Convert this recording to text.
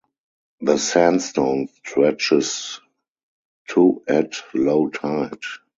The sandstone stretches to at low tide.